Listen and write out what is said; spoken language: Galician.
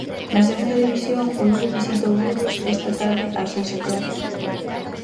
Na Segunda División, o Lugo visita o Burgos esta tarde ás seis e cuarto.